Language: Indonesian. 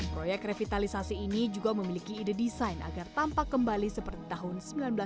proyek revitalisasi ini juga memiliki ide desain agar tampak kembali seperti tahun seribu sembilan ratus sembilan puluh